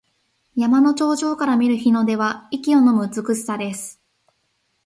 山の頂上から見る日の出は息をのむ美しさです。